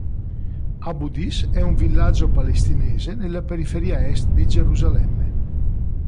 Abu Dis è un villaggio palestinese nella periferia est di Gerusalemme.